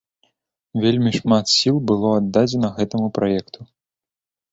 Вельмі шмат сіл было аддадзена гэтаму праекту.